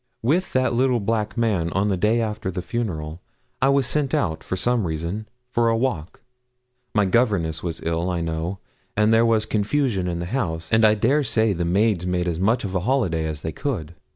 With that little black man, on the day after the funeral, I was sent out, for some reason, for a walk; my governess was ill, I know, and there was confusion in the house, and I dare say the maids made as much of a holiday as they could.